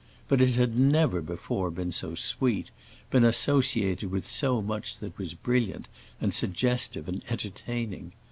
But it had never before been so sweet, been associated with so much that was brilliant and suggestive and entertaining.